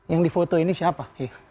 yang di foto ini siapa